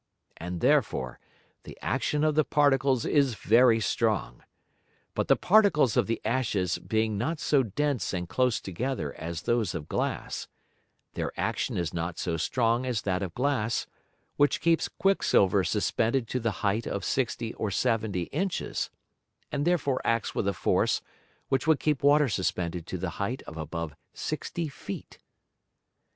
And therefore the Action of the Particles is very strong. But the Particles of the Ashes being not so dense and close together as those of Glass, their Action is not so strong as that of Glass, which keeps Quick silver suspended to the height of 60 or 70 Inches, and therefore acts with a Force which would keep Water suspended to the height of above 60 Feet.